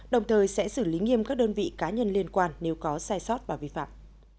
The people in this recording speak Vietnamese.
đồng thời sẽ xử lý nghiêm các đơn vị cá nhân liên quan nếu có sai sót và vi phạm